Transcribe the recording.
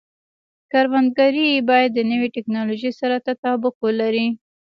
کروندګري باید د نوې ټکنالوژۍ سره تطابق ولري.